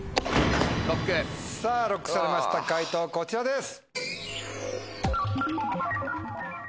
さぁＬＯＣＫされました解答こちらです。